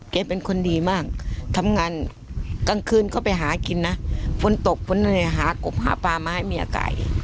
เป็นคนดีมากทำงานกลางคืนก็ไปหากินนะฝนตกฝนอะไรหากบหาปลามาให้เมียไก่